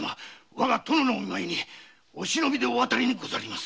我が殿のお見舞いにお忍びでお渡りにございます。